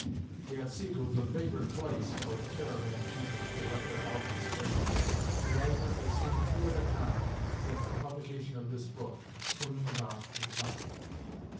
[The Otsego is a favorite place for the caravan keepers to let their elephants bathe. The writer has seen two at a time, since the publication of this book, swimming about in company.